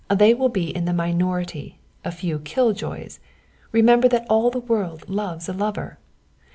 They will be in the minority, a few kill joys remember that all the world loves a lover.